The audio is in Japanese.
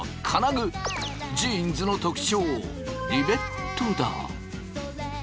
ジーンズの特徴リベットだ。